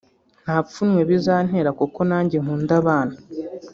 ”Nta pfunwe bizantera kuko nanjye nkunda abana